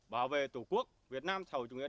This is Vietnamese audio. bảo vệ tổ quốc việt nam thầu chủ nghĩa